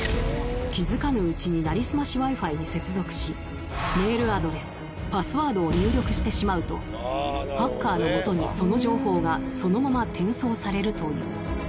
気づかぬうちになりすましＷｉ−Ｆｉに接続しメールアドレスパスワードを入力してしまうとハッカーの元にその情報がそのまま転送されるという。